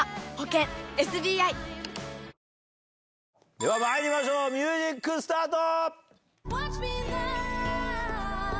ではまいりましょうミュージックスタート！